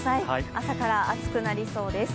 朝から暑くなりそうです。